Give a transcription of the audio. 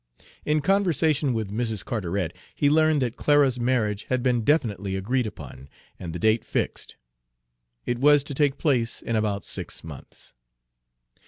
In conversation with Mrs. Carteret he learned that Clara's marriage had been definitely agreed upon, and the date fixed, it was to take place in about six months.